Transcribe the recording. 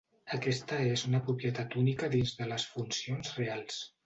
Aquesta és una propietat única dins de les funcions reals.